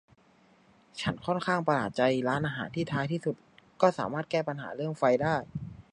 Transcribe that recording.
ฉันค่อนข้างประหลาดใจร้านอาหารที่ท้ายที่สุดก็สามารถแก้ปัญหาเรื่องไฟได้